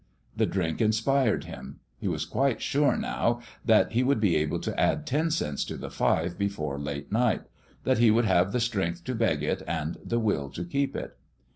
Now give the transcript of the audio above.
The drink inspired him : he was quite sure, now, that he would be able to add ten cents to the five before late night that he would have the strength to beg it and the will to keep it.